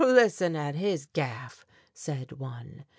"Listen at his gaff!" said one.